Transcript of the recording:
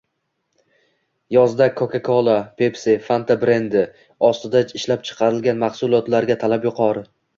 yozda Coco cola, Pepsi, Fanta brendi ostida ishlab chiqarilgan mahsulotlarga talab yuqori